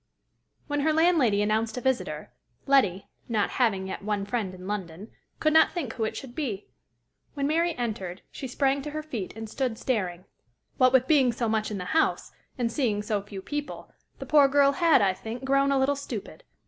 When her landlady announced a visitor, Letty, not having yet one friend in London, could not think who it should be. When Mary entered, she sprang to her feet and stood staring: what with being so much in the house, and seeing so few people, the poor girl had, I think, grown a little stupid.